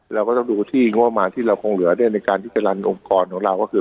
เราก็ต้องดูที่ง่วงมาที่เราคงเหลือในการพิจารณ์องค์กรของเราก็คือ